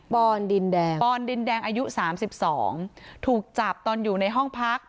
อนดินแดงปอนดินแดงอายุ๓๒ถูกจับตอนอยู่ในห้องพัก